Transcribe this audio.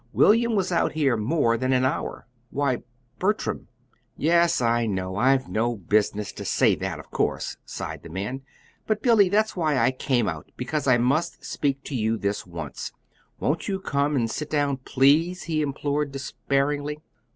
William was out here MORE than an hour." "Why Bertram!" "Yes, I know. I've no business to say that, of course," sighed the man; "but, Billy, that's why I came out because I must speak to you this once. Won't you come and sit down, please?" he implored despairingly.